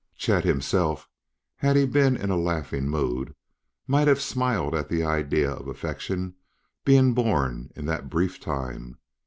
Chet, himself, had he been in laughing mood, might have smiled at the idea of affection being born in that brief time.